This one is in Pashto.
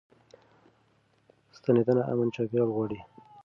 ستنېدنه امن چاپيريال غواړي.